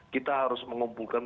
kita harus mengumpulkan